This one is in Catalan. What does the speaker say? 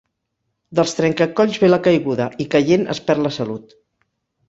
Dels trenca-colls ve la caiguda, i caient es perd la salut